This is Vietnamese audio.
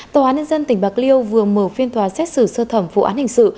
tòa án nhân dân tỉnh bạc liêu vừa mở phiên tòa xét xử sơ thẩm vụ án hình sự